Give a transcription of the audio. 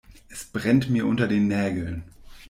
Es brennt mir unter den Nägeln.